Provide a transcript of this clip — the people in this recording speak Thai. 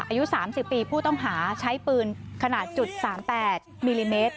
อายุ๓๐ปีผู้ต้องหาใช้ปืนขนาด๓๘มิลลิเมตร